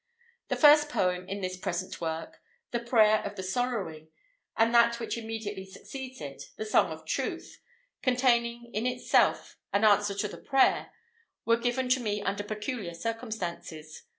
The first poem in this present work, "The Prayer of the Sorrowing," and that which immediately succeeds it, "The Song of Truth," containing in itself an answer to the Prayer, were given to me under peculiar circumstances.